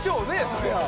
そりゃあ。